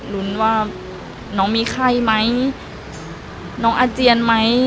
รุ้นว่าน้องมีไข้ไหมน้องอาเจียนไหม